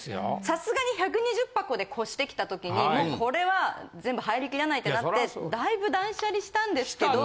さすがに１２０箱で越してきた時にもうこれは全部入り切らないってなってだいぶ断捨離したんですけど。